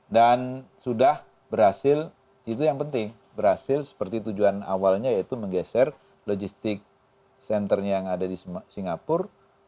dan sudah berhasil itu yang penting berhasil seperti tujuan awalnya yaitu menggeser logistik centernya yang ada di singapura